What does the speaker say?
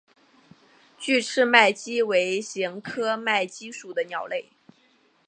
距翅麦鸡为鸻科麦鸡属的鸟类。